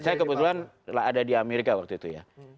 saya kebetulan ada di amerika waktu itu ya